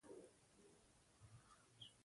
هغه د هېواد د يوه ستر هوايي شرکت آمر و.